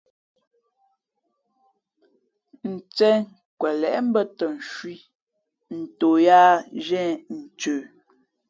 Ncēn kwelěʼ mbᾱ tα ncwī nto yāā zhīē ncə.